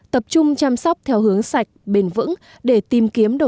tập trung chăm sóc theo hướng sạch bền vững để tìm kiếm đồ